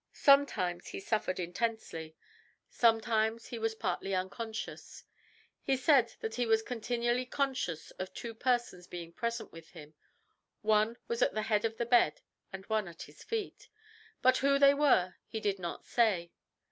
Sometimes he suffered intensely; sometimes he was partly unconscious. He said that he was continually conscious of two persons being present with him. One was at the head of his bed and one at his feet. But who they were he did not say.